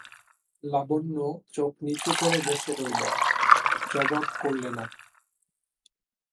লাবণ্য চোখ নিচু করে বসে রইল, জবাব করলে না।